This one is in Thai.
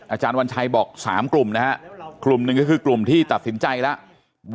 อาจารย์วัญชัยบอก๓กลุ่มนะฮะกลุ่มหนึ่งก็คือกลุ่มที่ตัดสินใจแล้ว